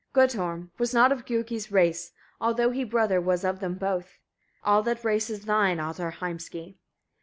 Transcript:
Guttorm; was not of Giuki's race, although he brother was of them both. All that race is thine, Ottar Heimski!